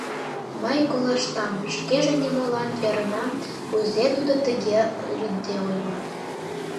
Мый колыштам, шкеже нимолан ӧрынам, кузе тудо тыге лӱдде ойла.